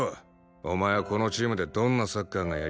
お前はこのチームでどんなサッカーがやりたい？